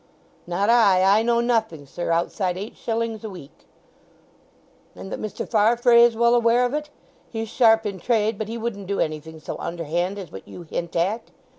"Not I. I know nothing, sir, outside eight shillings a week." "And that Mr. Farfrae is well aware of it? He's sharp in trade, but he wouldn't do anything so underhand as what you hint at."